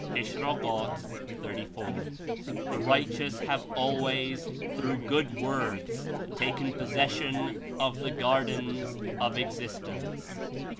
(Ish. 34 ) "The righteous have always, through good words, taken possession of the gardens of existence."